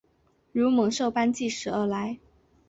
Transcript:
如猛兽般疾驶而来